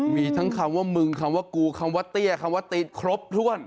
มีทั้งคำว่ามึงคำว่ากูคำว่าเตี้ยคำว่าตีนครบถ้วน